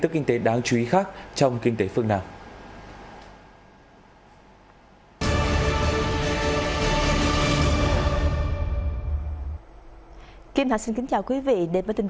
tức kinh tế đáng chú ý khác trong kinh tế phương nam